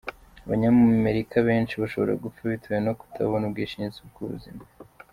Abanyamerika benshi bashobora gupfa bitewe no kutabona ubwishingizi bw’ubuzima.